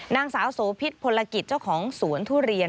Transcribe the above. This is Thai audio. นางสาวโสพิษพลกิจเจ้าของสวนทุเรียน